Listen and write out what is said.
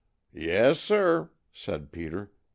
"Yes, sir!" said Peter.